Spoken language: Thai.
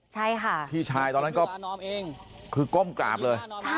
ใช่ค่ะพี่ชายตอนนั้นก็คือก้มกราบเลย